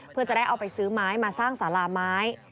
เพื่อจะได้เอาไปซื้อไม้มาสร้างสาราไม้